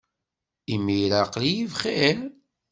Imir-a aql-iyi bxir.